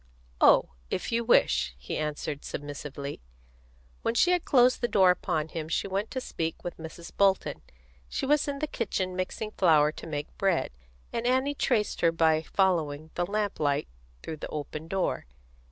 "Oh, if you wish," he answered submissively. When she had closed the door upon him she went to speak with Mrs. Bolton. She was in the kitchen mixing flour to make bread, and Annie traced her by following the lamp light through the open door.